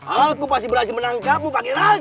alpu pasti berhasil menangkapmu pake run